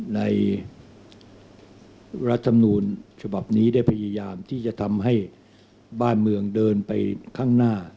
รัฐธรรมนูลฉบับนี้ได้พยายามที่จะทำให้บ้านเมืองเดินไปข้างหน้า